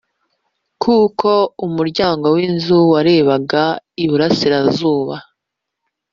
kuko umuryango w inzu warebaga iburasirazuba